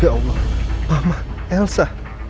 ya allah mama elsa